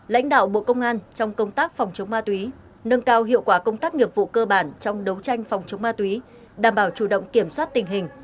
lãnh đạo bộ công an trong công tác phòng chống ma túy nâng cao hiệu quả công tác nghiệp vụ cơ bản trong đấu tranh phòng chống ma túy đảm bảo chủ động kiểm soát tình hình